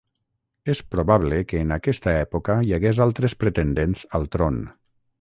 És probable que en aquesta època hi hagués altres pretendents al tron.